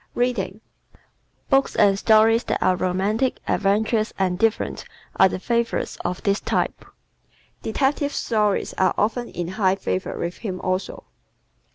Reading ¶ Books and stories that are romantic, adventurous, and different are the favorites of this type. Detective stories are often in high favor with him also.